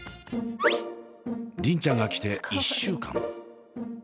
梨鈴ちゃんが来て１週間。